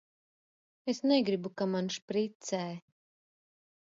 Es negribu, ka man špricē!